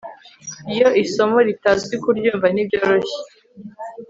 Yoo Isomo ritazwi kuryumva ntibyoroshye